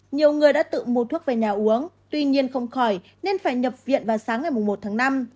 nhiều người đã tự mua thuốc về nhà uống tuy nhiên không khỏi nên phải nhập viện vào sáng ngày một tháng năm